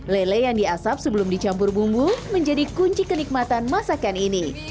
lele yang diasap sebelum dicampur bumbu menjadi kunci kenikmatan masakan ini